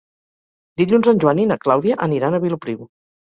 Dilluns en Joan i na Clàudia aniran a Vilopriu.